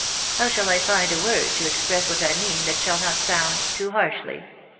how shall I find a word to express what I mean that shall not sound too harshly ?